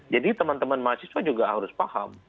jadi teman teman mahasiswa juga harus paham